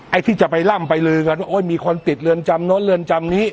ไอ้ที่จะไปล่ำไปลือกันว่าโอ้ยมีคนติดเรือนจำโน้นเรือนจำนี้